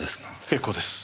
結構です。